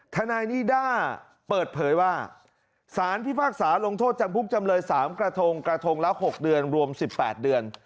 ทนายนิด้าเปิดเผยว่าสารพิพากษาลงโทษจำคุกจำเลย๓กระทงกระทงละ๖เดือนรวม๑๘เดือน